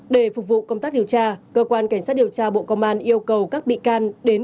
để phục vụ công tác điều tra cơ quan cảnh sát điều tra bộ công an yêu cầu các bị can đến